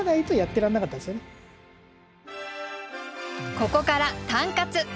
ここからタンカツ！